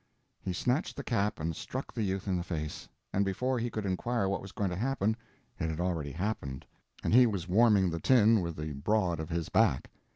He snatched the cap and struck the youth in the face, and before he could inquire what was going to happen, it had already happened, and he was warming the tin with the broad of his back.